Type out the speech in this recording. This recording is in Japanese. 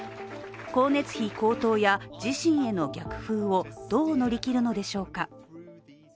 光熱費高騰や自身への逆風をどう乗り切るのでしょうか。